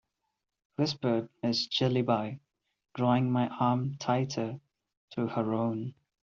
whispered Miss Jellyby, drawing my arm tighter through her own.